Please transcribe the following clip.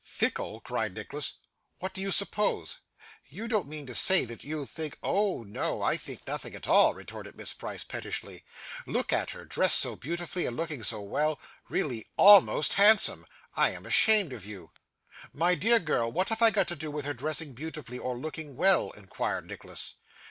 'Fickle!' cried Nicholas; 'what do you suppose? You don't mean to say that you think ' 'Oh no, I think nothing at all,' retorted Miss Price, pettishly. 'Look at her, dressed so beautiful and looking so well really ALMOST handsome. I am ashamed at you.' 'My dear girl, what have I got to do with her dressing beautifully or looking well?' inquired Nicholas.